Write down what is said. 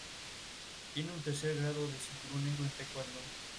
Tiene un tercer grado de cinturón negro en Taekwondo.